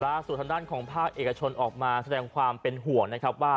ประสุทธนรรย์ของภาคเอกชนออกมาแสดงความเป็นห่วงนะครับว่า